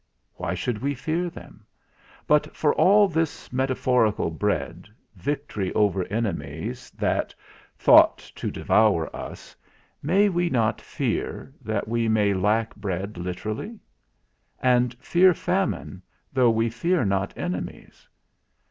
Why should we fear them? But for all this metaphorical bread, victory over enemies that thought to devour us, may we not fear, that we may lack bread literally? And fear famine, though we fear not enemies?